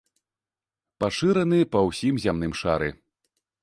Пашыраны па ўсім зямным шары.